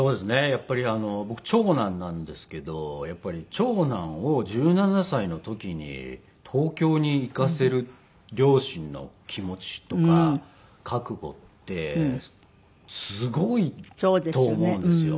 やっぱり僕長男なんですけどやっぱり長男を１７歳の時に東京に行かせる両親の気持ちとか覚悟ってすごいと思うんですよ。